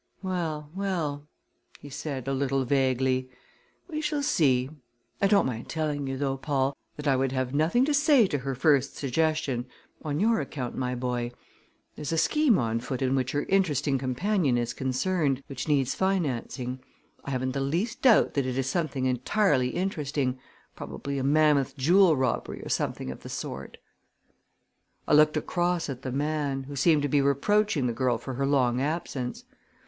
"Well, well!" he said, a little vaguely. "We shall see. I don't mind telling you, though, Paul, that I would have nothing to say to her first suggestion on your account, my boy. There's a scheme on foot in which her interesting companion is concerned, which needs financing. I haven't the least doubt that it is something entirely interesting probably a mammoth jewel robbery or something of the sort." I looked across at the man, who seemed to be reproaching the girl for her long absence.